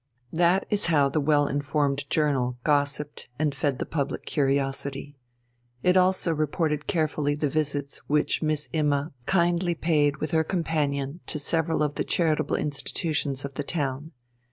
That is how the well informed journal gossiped and fed the public curiosity. It also reported carefully the visits which Miss Imma kindly paid with her companion to several of the charitable institutions of the town.